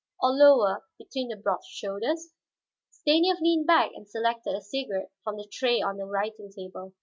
Or lower, between the broad shoulders Stanief leaned back and selected a cigarette from the tray on the writing table.